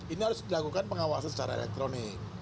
ini harus dilakukan pengawasan secara elektronik